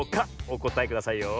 おこたえくださいよ。